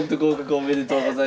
おめでとうございます。